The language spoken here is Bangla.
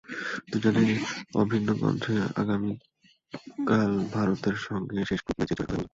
দুজনেই অভিন্ন কণ্ঠে আগামীকাল ভারতের সঙ্গে শেষ গ্রুপে ম্যাচে জয়ের কথাই বললেন।